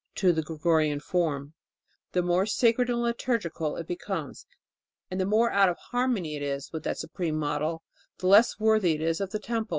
. to the Gregorian form, the more sacred and liturgical it becomes; and the more out of harmony it is with that supreme model, the less worthy it is of the temple."